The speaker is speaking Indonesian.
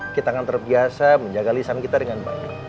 kita akan terbiasa menjaga lisan kita dengan baik